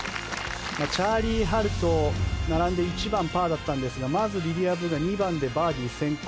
チャーリー・ハルと並んで１番、パーだったんですがまず、リリア・ブが２番でバーディー先行。